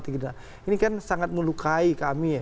ini kan sangat melukai kami